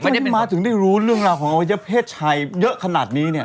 อันนี้มาถึงได้รู้เรื่องราวของอวัยเพศชายเยอะขนาดนี้เนี่ย